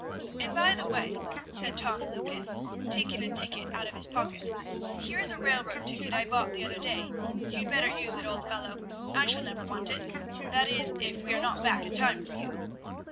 "And by the way," said Tom Lucas, taking a ticket out of his pocket, "here is a railroad ticket I bought the other day; you'd better use it, old fellow. I shall never want it that is, if we are not back in time for you."